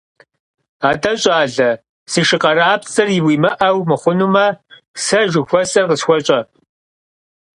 АтӀэ, щӀалэ, си шы къарапцӀэр уимыӀэу мыхъунумэ, сэ жыхуэсӀэр къысхуэщӀэ.